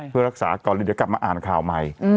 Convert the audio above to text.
เพื่อรักษาก่อนแล้วเรากลับมาอ่านข่าวใหม่